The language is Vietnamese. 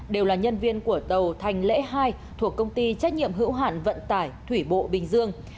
đều là nhân viên của tàu thành lễ hai thuộc công ty trách nhiệm hữu hạn vận tải thủy bộ bình dương